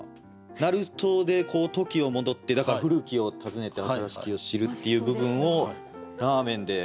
なるとでこう時を戻ってだから「故きを温ねて新しきを知る」っていう部分をラーメンで。